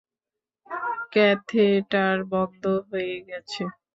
Catheter বন্ধ হয়ে গেছে।